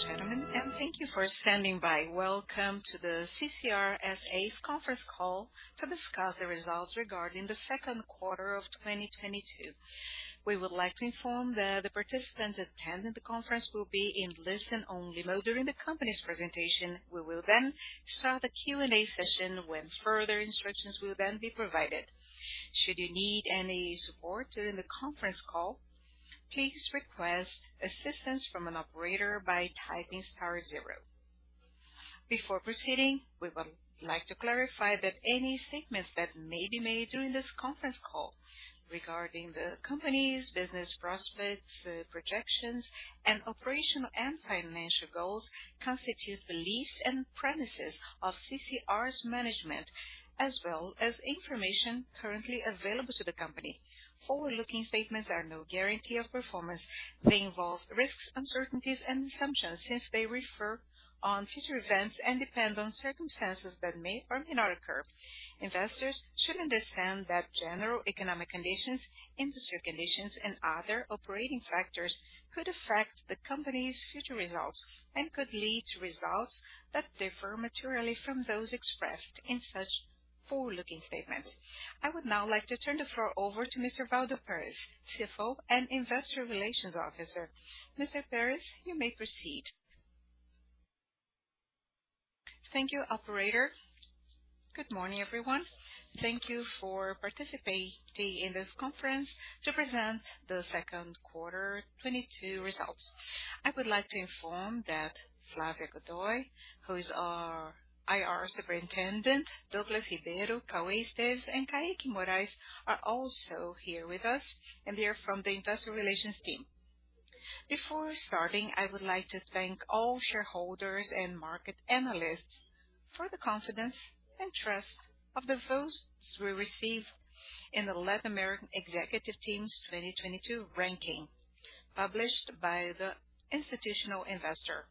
Ladies and gentlemen, thank you for standing by. Welcome to the CCR S.A.'s conference call to discuss the results regarding the Q2 of 2022. We would like to inform that the participants attending the conference will be in listen-only mode during the company's presentation. We will then start the Q&A session when further instructions will then be provided. Should you need any support during the conference call, please request assistance from an operator by typing star zero. Before proceeding, we would like to clarify that any statements that may be made during this conference call regarding the company's business prospects, projections, and operational and financial goals constitute beliefs and premises of CCR's management, as well as information currently available to the company. Forward-looking statements are no guarantee of performance. They involve risks, uncertainties, and assumptions, since they refer on future events and depend on circumstances that may or may not occur. Investors should understand that general economic conditions, industry conditions, and other operating factors could affect the company's future results and could lead to results that differ materially from those expressed in such forward-looking statements. I would now like to turn the floor over to Mr. Waldo Perez, CFO and Investor Relations Officer. Mr. Perez, you may proceed. Thank you, operator. Good morning, everyone. Thank you for participating in this conference to present the Q2 2022 results. I would like to inform that Flávia Godoy, who is our IR Superintendent, Douglas Ribeiro, Cauê Cunha, and Caique Moraes are also here with us, and they are from the investor relations team. Before starting, I would like to thank all shareholders and market analysts for the confidence and trust of the votes we received in the Latin America Executive Team 2022 ranking, published by Institutional Investor.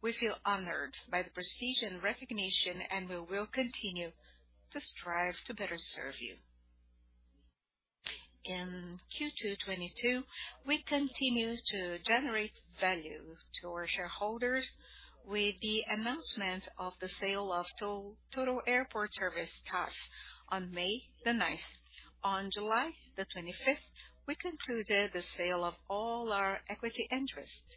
We feel honored by the prestige and recognition, and we will continue to strive to better serve you. In Q2 2022, we continued to generate value to our shareholders with the announcement of the sale of Total Airport Services, TAS, on May 9. On July 25, we concluded the sale of all our equity interest,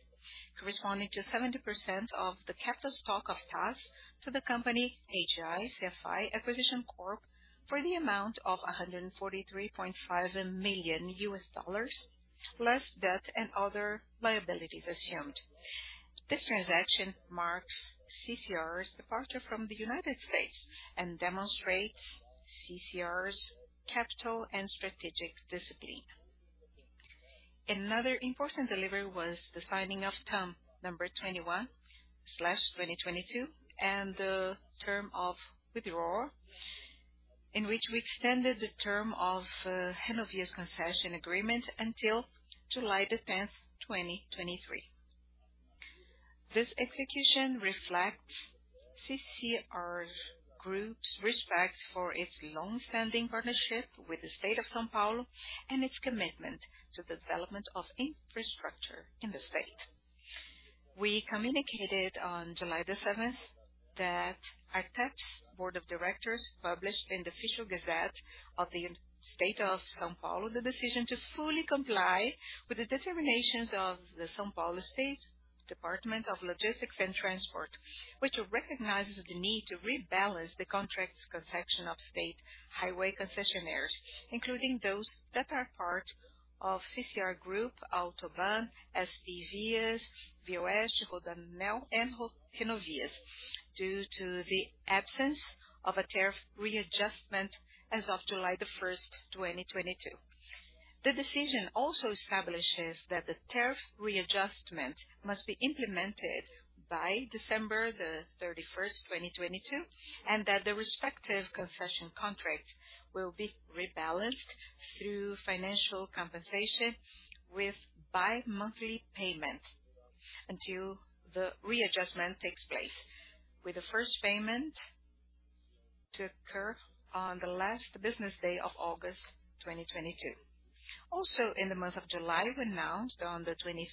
corresponding to 70% of the capital stock of TAS to the company AGI-CFI Acquisition Corp, for the amount of $143.5 million, plus debt and other liabilities assumed. This transaction marks CCR's departure from the United States and demonstrates CCR's capital and strategic discipline. Another important delivery was the signing of term number 21/2022 and the term of withdrawal, in which we extended the term of Renovias concession agreement until July 10, 2023. This execution reflects CCR Group's respect for its long-standing partnership with the state of São Paulo and its commitment to the development of infrastructure in the state. We communicated on July 7 that ARTESP's board of directors published in the Official Gazette of the State of São Paulo, the decision to fully comply with the determinations of the São Paulo State Department of Logistics and Transport, which recognizes the need to rebalance the contract's concession of state highway concessionaires, including those that are part of CCR Group, CCR AutoBAn, CCR SPVias, CCR ViaOeste, CCR RodoAnel, and Renovias due to the absence of a tariff readjustment as of July 1, 2022. The decision also establishes that the tariff readjustment must be implemented by December 31, 2022, and that the respective concession contract will be rebalanced through financial compensation with bi-monthly payment until the readjustment takes place, with the first payment to occur on the last business day of August 2022. Also in the month of July, we announced on the 28th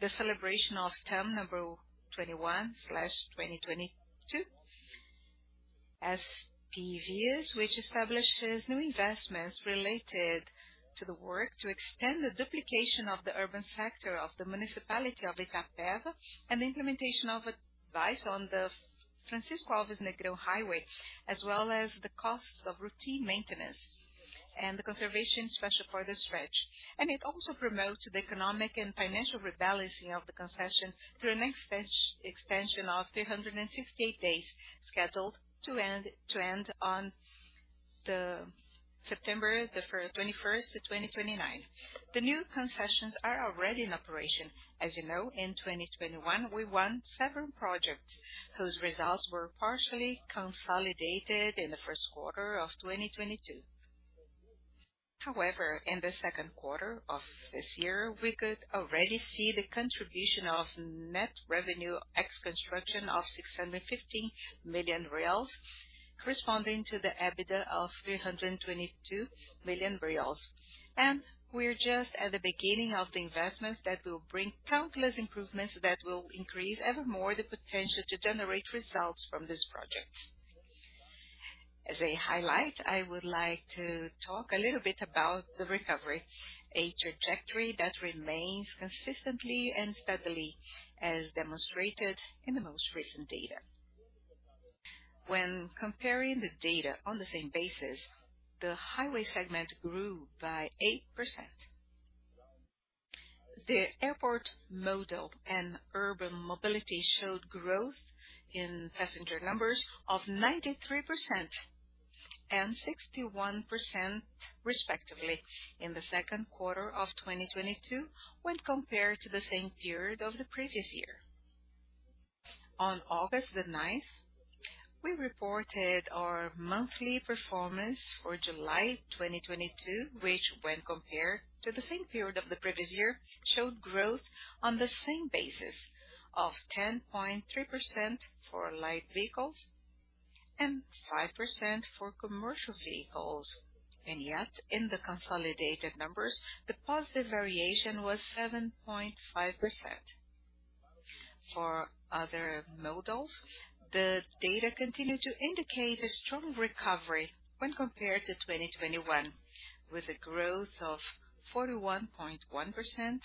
the celebration of term number 21/2022 SPVias, which establishes new investments related to the work to extend the duplication of the urban sector of the municipality of Itapeva and the implementation of viaducts on the Francisco Alves Negrão Highway, as well as the costs of routine maintenance and the special conservation for the stretch. It also promotes the economic and financial rebalancing of the concession through an extension of 368 days, scheduled to end on September 21 to 2029. The new concessions are already in operation. As you know, in 2021, we won seven projects whose results were partially consolidated in the Q1 of 2022. However, in the Q2 of this year, we could already see the contribution of net revenue ex construction of 650 million reais corresponding to the EBITDA of 322 million reais. We're just at the beginning of the investments that will bring countless improvements that will increase evermore the potential to generate results from this project. As a highlight, I would like to talk a little bit about the recovery, a trajectory that remains consistently and steadily as demonstrated in the most recent data. When comparing the data on the same basis, the highway segment grew by 8%. The airport modal and urban mobility showed growth in passenger numbers of 93% and 61% respectively in the Q2 of 2022 when compared to the same period of the previous year. On August 9, we reported our monthly performance for July 2022, which when compared to the same period of the previous year, showed growth on the same basis of 10.3% for light vehicles and 5% for commercial vehicles. Yet, in the consolidated numbers, the positive variation was 7.5%. For other modalities, the data continued to indicate a strong recovery when compared to 2021, with a growth of 41.1%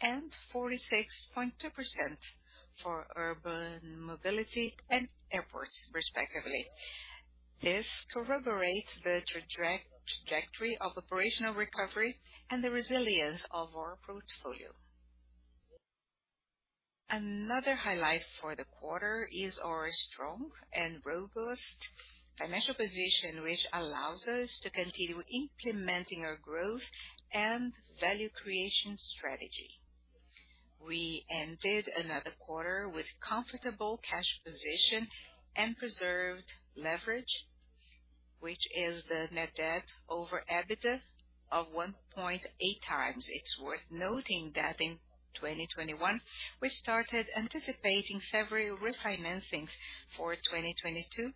and 46.2% for urban mobility and airports, respectively. This corroborates the trajectory of operational recovery and the resilience of our portfolio. Another highlight for the quarter is our strong and robust financial position, which allows us to continue implementing our growth and value creation strategy. We ended another quarter with comfortable cash position and preserved leverage, which is the net debt over EBITDA of 1.8 times. It's worth noting that in 2021, we started anticipating several refinancings for 2022,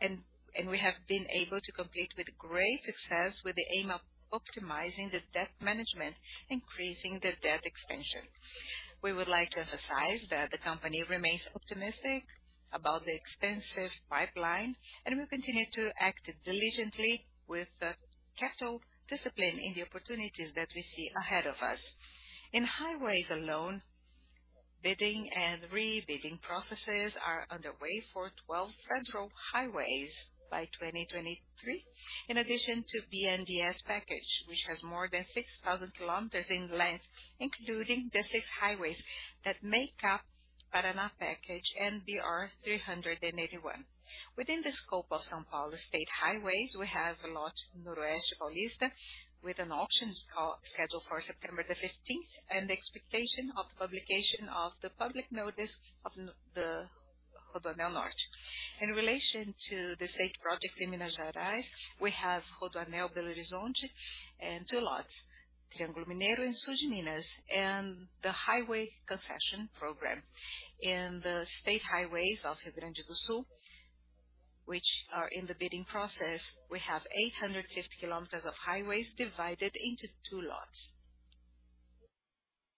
and we have been able to complete with great success with the aim of optimizing the debt management, increasing the debt extension. We would like to emphasize that the company remains optimistic about the expansive pipeline, and we continue to act diligently with capital discipline in the opportunities that we see ahead of us. In highways alone, bidding and re-bidding processes are underway for 12 federal highways by 2023. In addition to BNDES package, which has more than 6,000 kilometers in length, including the six highways that make up Paraná package and the BR-381. Within the scope of São Paulo state highways, we have Lote Noroeste Paulista, with an auction scheduled for September 15, and the expectation of publication of the public notice of the Rodovia Norte. In relation to the state projects in Minas Gerais, we have Rodovia Belo Horizonte and two lots, Triângulo Mineiro and Sul de Minas, and the highway concession program. In the state highways of Rio Grande do Sul, which are in the bidding process, we have 850 kilometers of highways divided into two lots.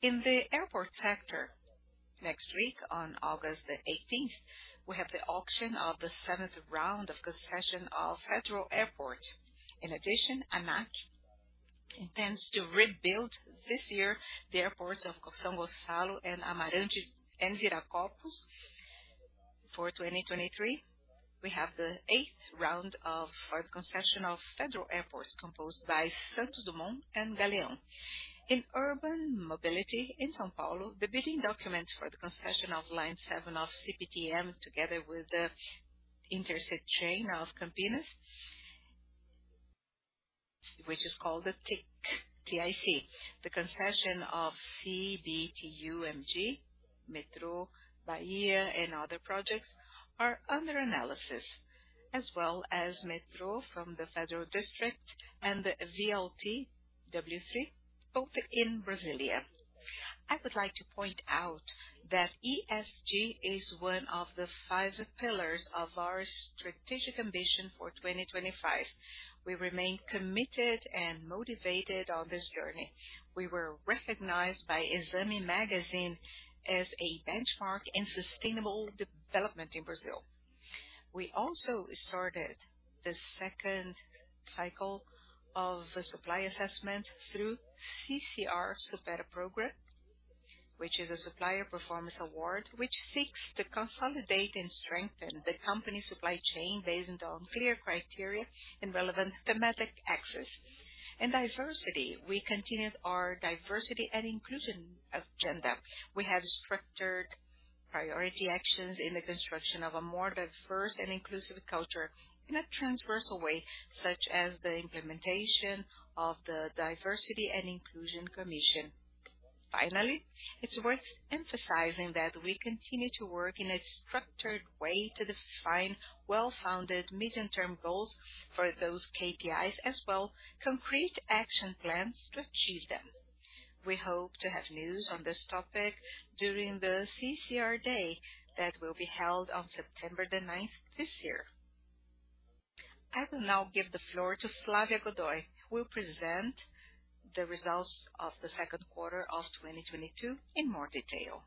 In the airport sector, next week, on August 18, we have the auction of the seventh round of concession of federal airports. In addition, ANAC intends to auction this year the airports of São Gonçalo do Amarante and Viracopos. For 2023, we have the eighth round of the concession of federal airports composed by Santos Dumont and Galeão. In urban mobility in São Paulo, the bidding documents for the concession of line 7 of CPTM, together with the intercity chain of Campinas, which is called the TIC, T-I-C. The concession of CBTU/MG, Metro Bahia, and other projects are under analysis, as well as Metro from the Federal District and the VLT W3, both in Brasília. I would like to point out that ESG is one of the five pillars of our strategic ambition for 2025. We remain committed and motivated on this journey. We were recognized by Exame magazine as a benchmark in sustainable development in Brazil. We also started the second cycle of supply assessment through Programa Supera, which is a supplier performance award which seeks to consolidate and strengthen the company's supply chain based on clear criteria and relevant thematic axis. In diversity, we continued our diversity and inclusion agenda. We have structured priority actions in the construction of a more diverse and inclusive culture in a transversal way, such as the implementation of the Diversity and Inclusion Commission. Finally, it's worth emphasizing that we continue to work in a structured way to define well-founded midterm goals for those KPIs, as well concrete action plans to achieve them. We hope to have news on this topic during the CCR Day that will be held on September the ninth this year. I will now give the floor to Flávia Godoy, who will present the results of the Q2 of 2022 in more detail.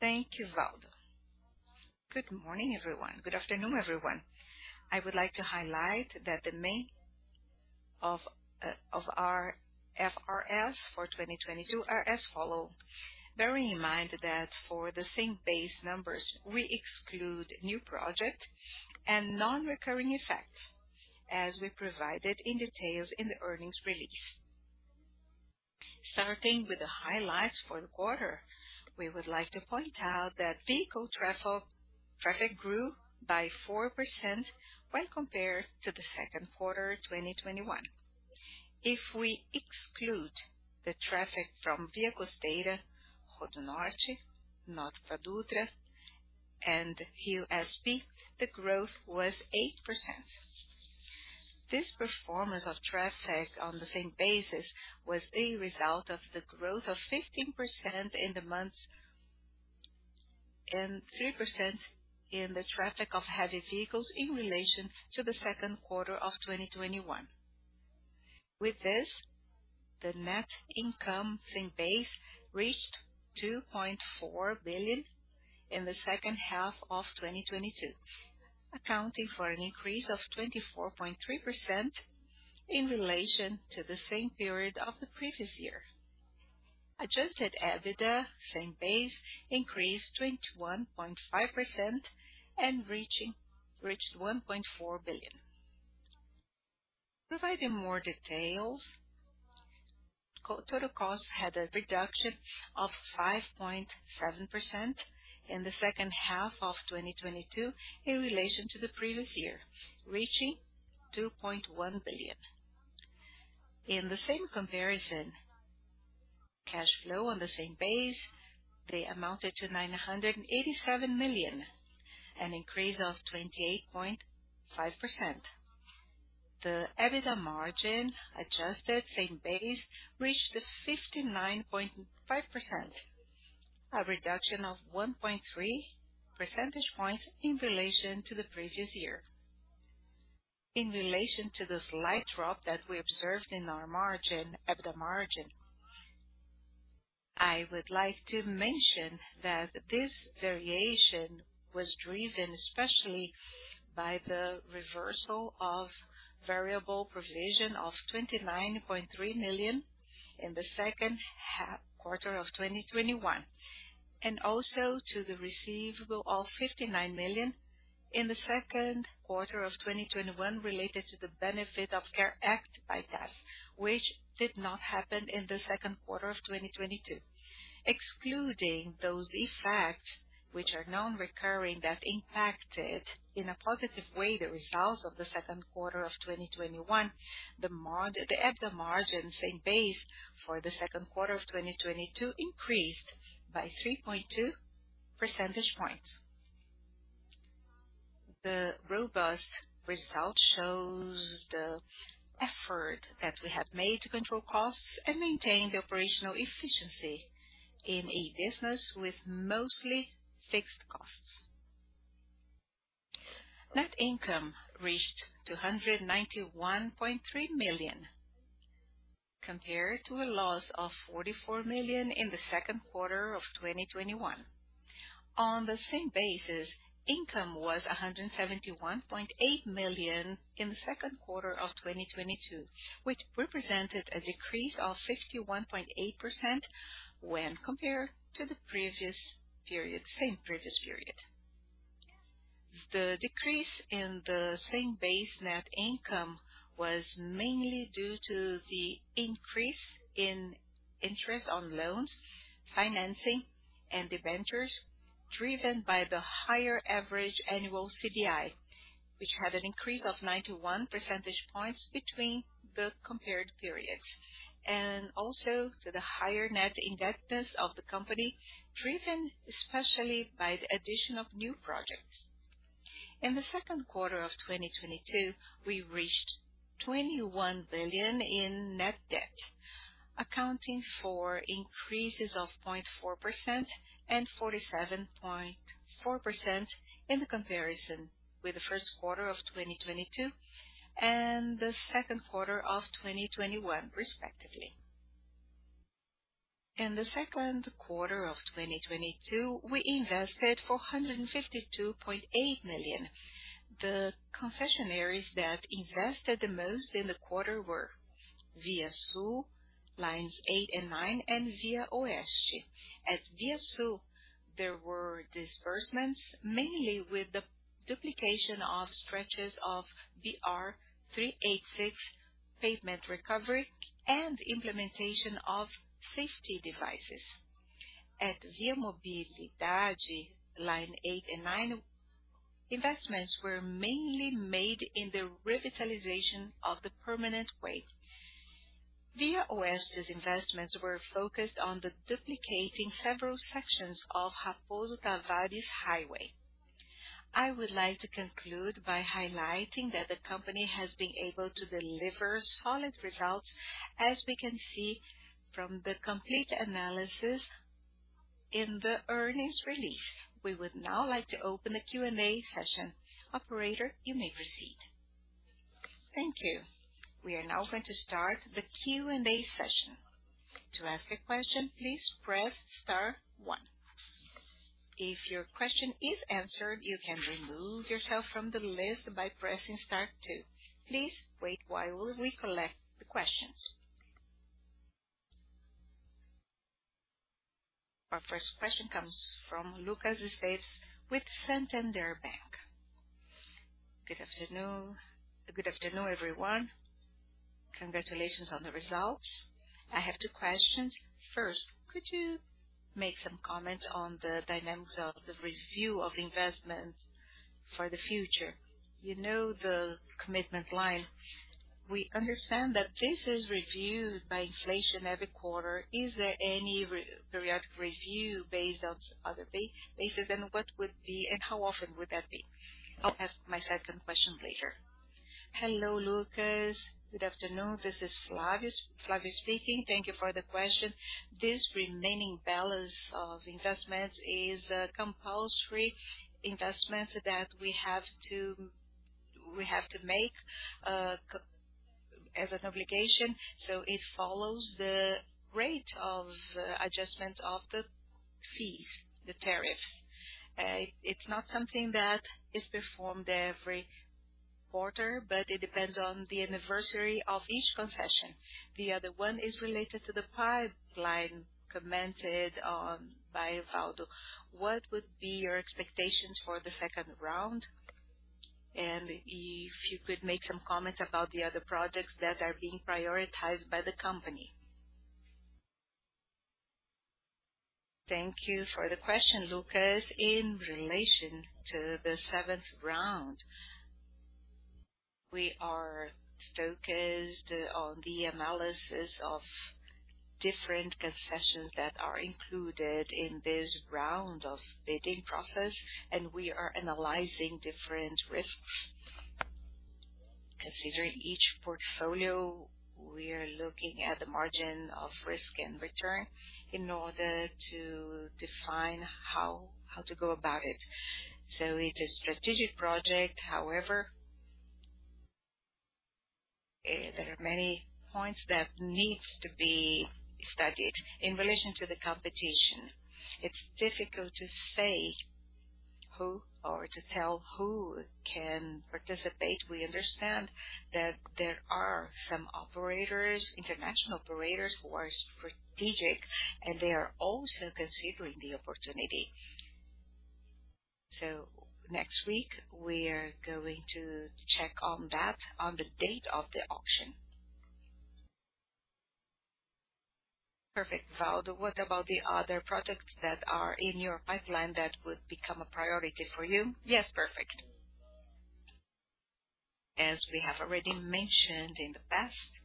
Thank you, Waldo. Good morning, everyone. Good afternoon, everyone. I would like to highlight that the main of our IFRS for 2022 are as follows. Bearing in mind that for the same base numbers, we exclude new project and non-recurring effects, as we provided in detail in the earnings release. Starting with the highlights for the quarter, we would like to point out that vehicle traffic grew by 4% when compared to the Q2 2021. If we exclude the traffic from ViaCosteira, RodoNorte, Nova Dutra, and RioSP, the growth was 8%. This performance of traffic on the same basis was a result of the growth of 15% in the months, and 3% in the traffic of heavy vehicles in relation to Q2 2021. With this, the net income same basis reached 2.4 billion in the second half of 2022, accounting for an increase of 24.3% in relation to the same period of the previous year. Adjusted EBITDA same basis increased 21.5% and reached 1.4 billion. Providing more details, total costs had a reduction of 5.7% in the second half of 2022 in relation to the previous year, reaching 2.1 billion. In the same comparison, cash flow on the same basis amounted to 987 million, an increase of 28.5%. The EBITDA margin adjusted same base reached 69.5%, a reduction of 1.3 percentage points in relation to the previous year. In relation to the slight drop that we observed in our margin, EBITDA margin, I would like to mention that this variation was driven especially by the reversal of variable provision of 29.3 million in the Q2 of 2021, and also to the receivable of 59 million in the Q2 of 2021 related to the benefit of CARES Act bypass, which did not happen in the Q2 of 2022. Excluding those effects, which are non-recurring, that impacted, in a positive way, the results of the Q2 of 2021, the EBITDA margin same base for the Q2 of 2022 increased by 3.2 percentage points. The robust result shows the effort that we have made to control costs and maintain the operational efficiency in a business with mostly fixed costs. Net income reached 291.3 million, compared to a loss of 44 million in the Q2 of 2021. On the same basis, income was 171.8 million in the Q2 of 2022, which represented a decrease of 61.8% when compared to the previous period. The decrease in the same base net income was mainly due to the increase in interest on loans, financing, and debentures, driven by the higher average annual CDI, which had an increase of 91 percentage points between the compared periods, and also to the higher net indebtedness of the company, driven especially by the addition of new projects. In the Q2 of 2022, we reached 21 billion in net debt, accounting for increases of 0.4% and 47.4% in the comparison with the Q1 of 2022 and the Q2 of 2021 respectively. In the Q2 of 2022, we invested 452.8 million. The concessionaires that invested the most in the quarter were ViaSul, Lines 8 and 9, and ViaOeste. At ViaSul, there were disbursements mainly with the duplication of stretches of BR-386, pavement recovery, and implementation of safety devices. At ViaMobilidade, Lines 8 and 9, investments were mainly made in the revitalization of the permanent way. ViaOeste's investments were focused on the duplication of several sections of Raposo Tavares Highway. I would like to conclude by highlighting that the company has been able to deliver solid results, as we can see from the complete analysis in the earnings release. We would now like to open the Q&A session. Operator, you may proceed. Thank you. We are now going to start the Q&A session. To ask a question, please press star one. If your question is answered, you can remove yourself from the list by pressing star two. Please wait while we collect the questions. Our first question comes from Lucas Esteves with Santander. Good afternoon. Good afternoon, everyone. Congratulations on the results. I have two questions. First, could you make some comment on the dynamics of the review of investment for the future? You know the commitment line. We understand that this is reviewed by inflation every quarter. Is there any re-periodic review based on other basis, and what would be how often would that be? I'll ask my second question later. Hello, Lucas. Good afternoon. This is Flávia speaking. Thank you for the question. This remaining balance of investment is a compulsory investment that we have to make as an obligation, so it follows the rate of adjustment of the fees, the tariffs. It's not something that is performed every quarter, but it depends on the anniversary of each concession. The other one is related to the pipeline commented on by Waldo. What would be your expectations for the second round? If you could make some comments about the other projects that are being prioritized by the company. Thank you for the question, Lucas. In relation to the seventh round, we are focused on the analysis of different concessions that are included in this round of bidding process, and we are analyzing different risks. Considering each portfolio, we are looking at the margin of risk and return in order to define how to go about it. It's a strategic project, however, there are many points that needs to be studied. In relation to the competition, it's difficult to say who or to tell who can participate. We understand that there are some operators, international operators who are strategic, and they are also considering the opportunity. Next week we are going to check on that on the date of the auction. Perfect. Waldo, what about the other projects that are in your pipeline that would become a priority for you? Yes, perfect. As we have already mentioned in the past,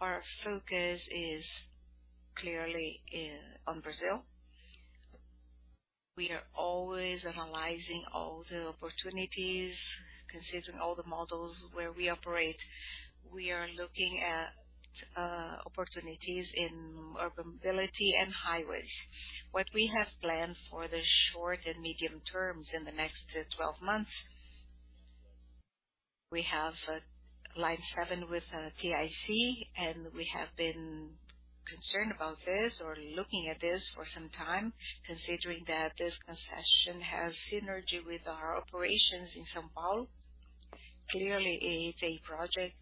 our focus is clearly in on Brazil. We are always analyzing all the opportunities, considering all the models where we operate. We are looking at opportunities in urban mobility and highways. What we have planned for the short and medium terms in the next 12 months, we have line seven with TIC, and we have been concerned about this or looking at this for some time, considering that this concession has synergy with our operations in São Paulo. Clearly, it's a project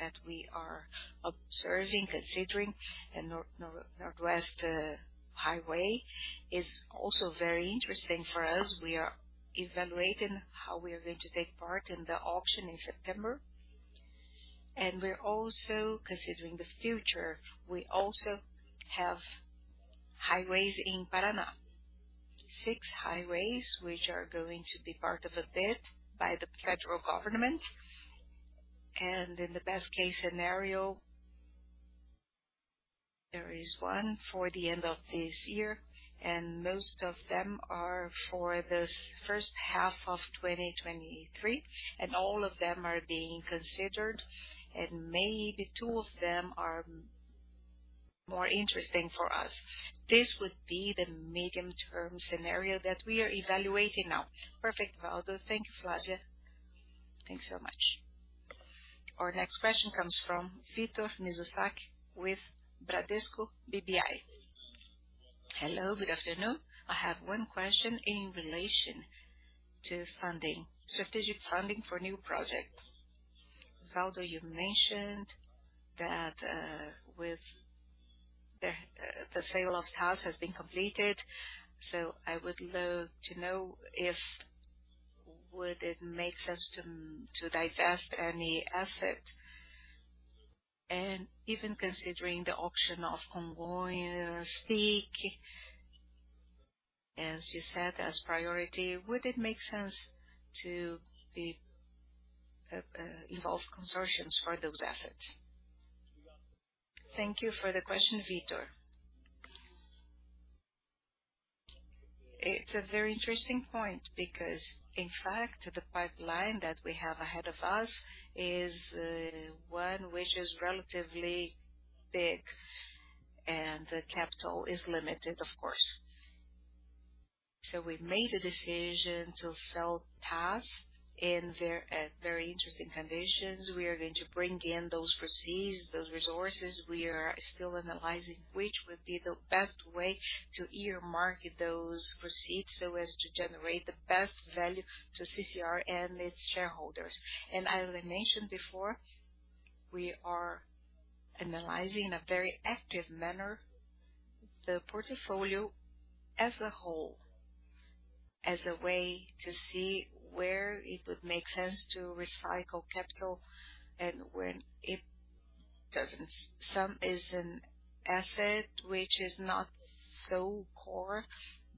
that we are observing, considering, and Northwest Highway is also very interesting for us. We are evaluating how we are going to take part in the auction in September. We're also considering the future. We also have highways in Paraná. Six highways which are going to be part of a bid by the federal government. In the best case scenario, there is one for the end of this year, and most of them are for the first half of 2023, and all of them are being considered, and maybe two of them are more interesting for us. This would be the medium term scenario that we are evaluating now. Perfect, Waldo. Thank you, Flávia. Thanks so much. Our next question comes from Victor Mizusaki with Bradesco BBI. Hello, good afternoon. I have one question in relation to funding, strategic funding for new project. Waldo, you mentioned that with the sale of TAS has been completed, so I would love to know if it would make sense to divest any asset. Even considering the auction of Congonhas, CEI, as you said, as priority, would it make sense to be involved in consortiums for those assets? Thank you for the question, Vitor. It's a very interesting point because in fact, the pipeline that we have ahead of us is one which is relatively big and the capital is limited, of course. We made a decision to sell assets in very interesting conditions. We are going to bring in those proceeds, those resources. We are still analyzing which would be the best way to earmark those proceeds so as to generate the best value to CCR and its shareholders. As I mentioned before, we are analyzing in a very active manner the portfolio as a whole, as a way to see where it would make sense to recycle capital and when it doesn't. Some is an asset which is not so core,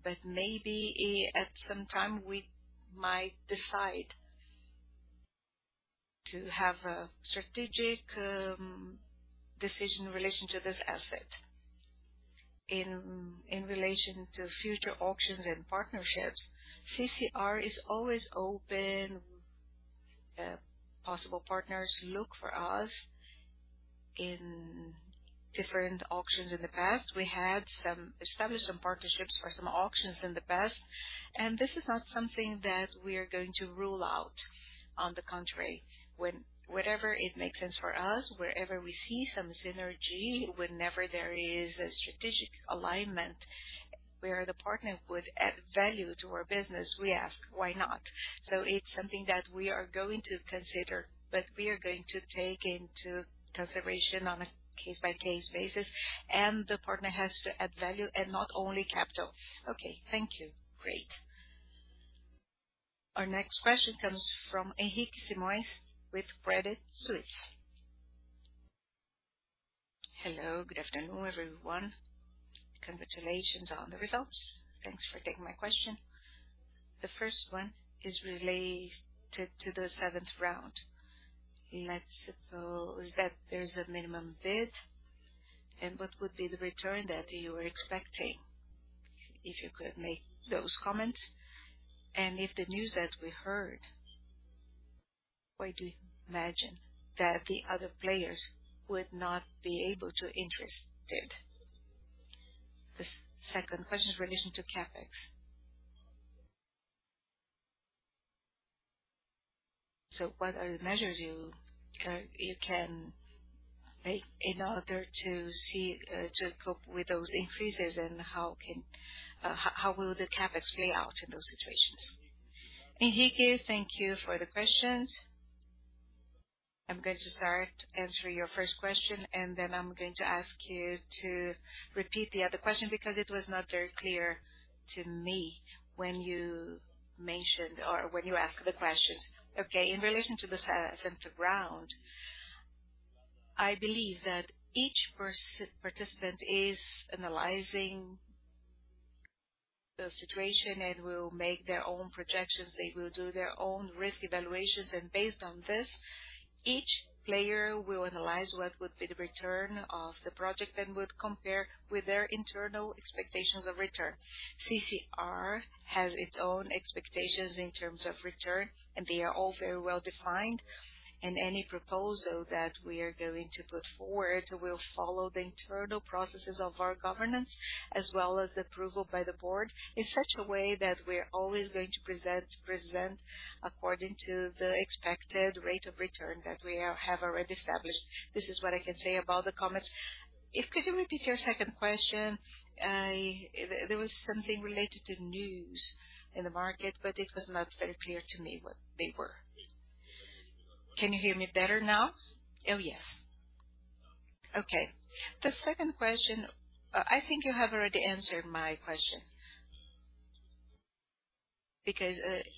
but maybe, at some time we might decide to have a strategic, decision in relation to this asset. In relation to future auctions and partnerships, CCR is always open. Possible partners look for us in different auctions. In the past, we established some partnerships for some auctions in the past, and this is not something that we are going to rule out. On the contrary, whenever it makes sense for us, wherever we see some synergy, whenever there is a strategic alignment where the partner would add value to our business, we ask, why not? It's something that we are going to consider, but we are going to take into consideration on a case-by-case basis. The partner has to add value and not only capital. Okay. Thank you. Great. Our next question comes from Henrique Simoes with Credit Suisse. Hello. Good afternoon, everyone. Congratulations on the results. Thanks for taking my question. The first one is related to the seventh round. Let's suppose that there's a minimum bid, and what would be the return that you were expecting, if you could make those comments? And if the news that we heard, why do you imagine that the other players would not be able to enter it? The second question is in relation to CapEx. So what are the measures you can make in order to cope with those increases, and how will the CapEx play out in those situations? Henrique, thank you for the questions. I'm going to start answering your first question, and then I'm going to ask you to repeat the other question because it was not very clear to me when you mentioned or when you asked the questions. Okay, in relation to the seventh round, I believe that each participant is analyzing the situation and will make their own projections. They will do their own risk evaluations. Based on this, each player will analyze what would be the return of the project and would compare with their internal expectations of return. CCR has its own expectations in terms of return, and they are all very well defined. Any proposal that we are going to put forward will follow the internal processes of our governance as well as the approval by the board in such a way that we are always going to present according to the expected rate of return that we have already established. This is what I can say about the comments. If you could repeat your second question? There was something related to news in the market, but it was not very clear to me what they were. Can you hear me better now? Yes. Okay. The second question. I think you have already answered my question.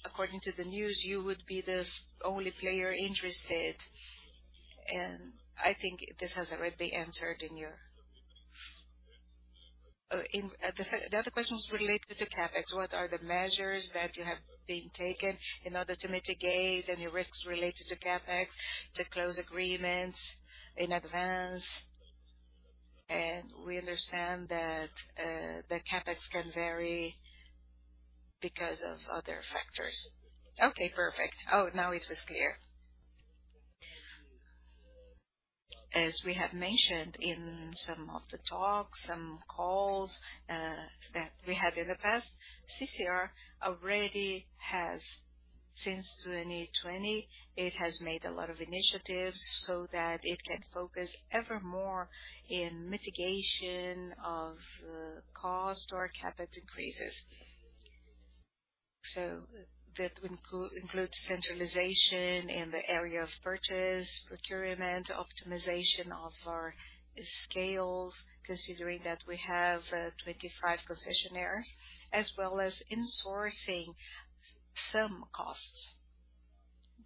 According to the news, you would be the only player interested, and I think this has already been answered in your. The other question was related to CapEx. What are the measures that you have been taking in order to mitigate any risks related to CapEx, to close agreements in advance? We understand that the CapEx can vary because of other factors. Okay, perfect. Oh, now it was clear. As we have mentioned in some of the talks, some calls that we had in the past, CCR already has since 2020, it has made a lot of initiatives so that it can focus evermore in mitigation of cost or CapEx increases. That includes centralization in the area of purchase, procurement, optimization of our economies of scale, considering that we have 25 concessionaires, as well as insourcing some costs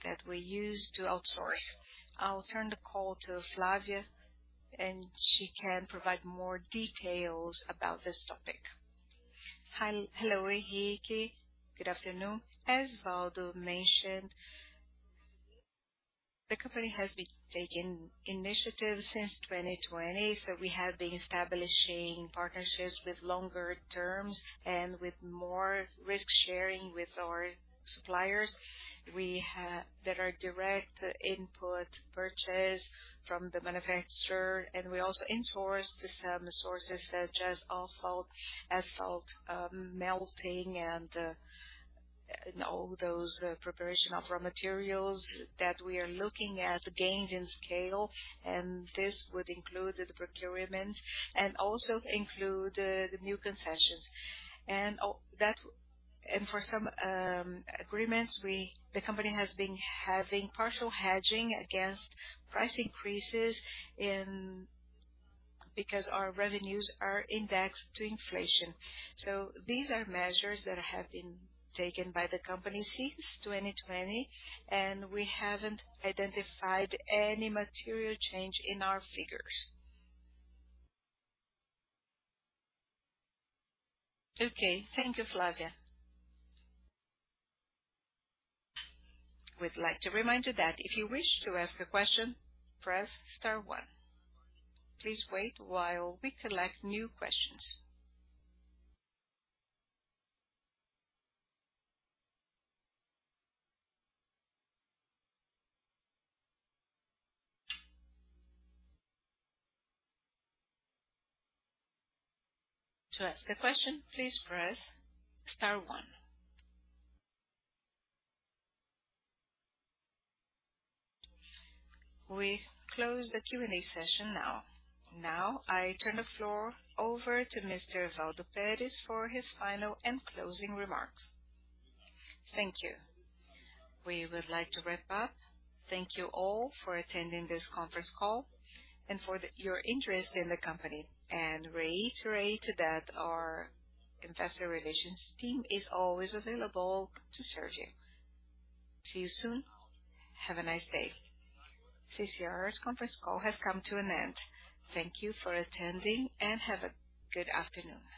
that we use to outsource. I'll turn the call to Flávia, and she can provide more details about this topic. Hi. Hello, Henrique. Good afternoon. As Waldo mentioned. The company has been taking initiatives since 2020. We have been establishing partnerships with longer terms and with more risk sharing with our suppliers. That are direct input purchase from the manufacturer, and we also insourced some services such as asphalt milling and all those preparation of raw materials that we are looking at gains in scale. This would include the procurement and also include the new concessions. For some agreements, the company has been having partial hedging against price increases because our revenues are indexed to inflation. These are measures that have been taken by the company since 2020, and we haven't identified any material change in our figures. Okay. Thank you, Flávia. We'd like to remind you that if you wish to ask a question, press star one. Please wait while we collect new questions. To ask a question, please press star one. We close the Q&A session now. Now I turn the floor over to Mr. Waldo Perez for his final and closing remarks. Thank you. We would like to wrap up. Thank you all for attending this conference call and for your interest in the company, and reiterate that our investor relations team is always available to serve you. See you soon. Have a nice day. CCR's conference call has come to an end. Thank you for attending, and have a good afternoon.